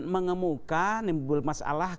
mengemukkan menimbulkan masalah